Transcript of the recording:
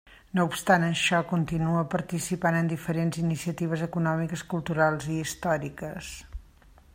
No obstant això, continua participant en diferents iniciatives econòmiques, culturals i històriques.